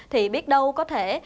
thì biết đâu có thể là